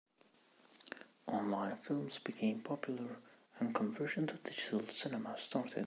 Online films became popular, and conversion to digital cinema started.